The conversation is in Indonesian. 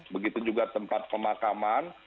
begitu juga tempat pemakaman